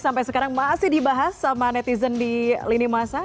sampai sekarang masih dibahas sama netizen di lini masa